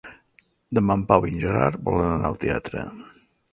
Demà en Pau i en Gerard volen anar al teatre.